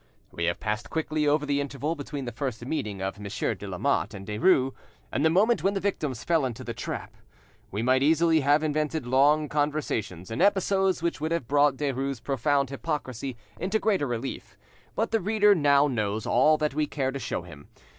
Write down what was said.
We have passed quickly over the interval between the first meeting of Monsieur de Lamotte and Derues, and the moment when the victims fell into the trap: we might easily have invented long conversations, and episodes which would have brought Derues' profound hypocrisy into greater relief; but the reader now knows all that we care to show him.